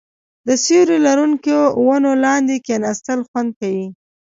د سیوري لرونکو ونو لاندې کیناستل خوند کوي.